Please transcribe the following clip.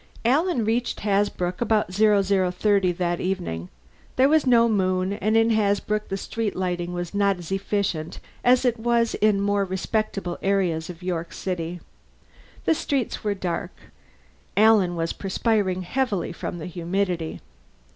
Alan reached Hasbrouck about 0030 that evening. There was no moon; and in Hasbrouck the street lighting was not as efficient as it was in more respectable areas of York City. The streets were dark. Alan was perspiring heavily from the humidity.